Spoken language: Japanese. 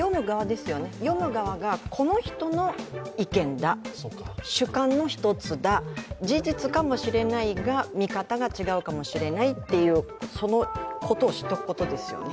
読む側がこの人の意見だ、主観の１つだ、事実かもしれないが、見方が違うかもしれないっていう、そのことを知っておくことですね。